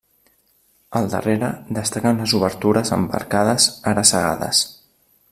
Al darrere destaquen les obertures amb arcades, ara cegades.